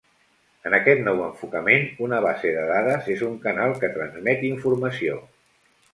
En aquest nou enfocament, una base de dades és un canal que transmet informació.